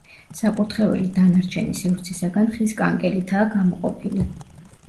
საკურთხეველი დანარჩენი სივრცისაგან ხის კანკელითაა გამოყოფილი.